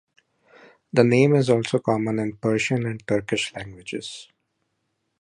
The name is also common in Persian and Turkish languages.